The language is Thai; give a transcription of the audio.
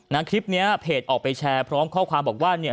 คลิปนี้เพจออกไปแชร์พร้อมข้อความบอกว่าเนี่ย